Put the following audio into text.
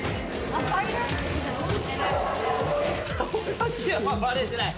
秋山バレてない。